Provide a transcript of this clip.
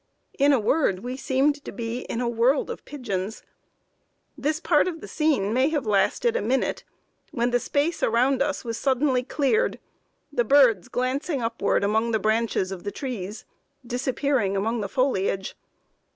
In a word, we seemed to be in a world of pigeons. This part of the scene may have lasted a minute, when the space around us was suddenly cleared, the birds glancing upward among the branches of the trees, disappearing among the foliage.